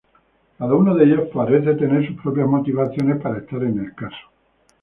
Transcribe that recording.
Cada uno de ellos parece tener sus propias motivaciones para estar en el caso.